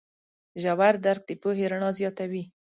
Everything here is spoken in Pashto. ژور درک د پوهې رڼا زیاتوي.